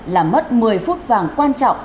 làm mất một mươi phút vàng quan trọng